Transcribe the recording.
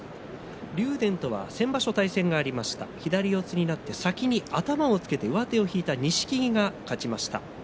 竜電とは先場所対戦があって左四つになって先に頭をつけて上手を引いた錦木が勝ちました。